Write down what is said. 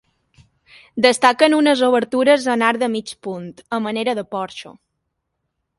Destaquen unes obertures en arc de mig punt, a manera de porxo.